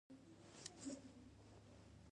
د افغانستان په منظره کې دځنګل حاصلات ښکاره دي.